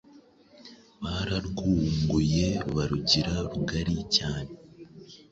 bararwunguye barugira rugari.cyane